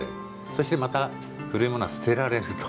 そして、また古いものは捨てられると。